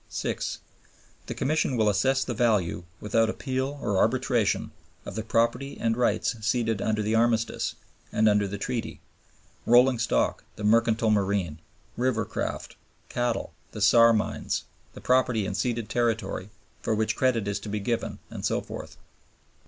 6. The Commission will assess the value, without appeal or arbitration, of the property and rights ceded under the Armistice, and under the Treaty, roiling stock, the mercantile marine, river craft, cattle, the Saar mines, the property in ceded territory for which credit is to be given, and so forth.